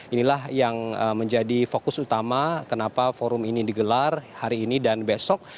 inilah yang menjadi fokus utama kenapa forum ini digelar hari ini dan besok